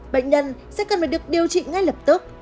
bệnh nhân sẽ cần phải được điều trị ngay lập tức